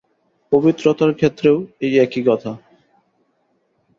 পবিত্রতার ক্ষেত্রেও এই একই কথা।